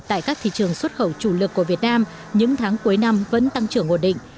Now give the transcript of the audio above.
tại các thị trường xuất khẩu chủ lực của việt nam những tháng cuối năm vẫn tăng trưởng ngột định